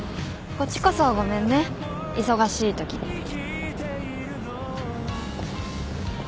こっちこそごめんね忙しいときに。